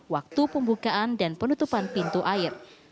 waktu pembukaan dan penutupan pintu air